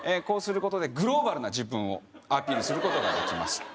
こうすることでグローバルな自分をアピールすることができます